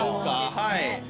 はい。